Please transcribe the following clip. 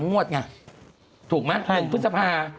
๓งวดไงถูกไหมพฤษภาษณ์